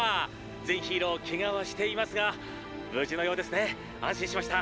全ヒーローケガはしていますが無事のようですね安心しました。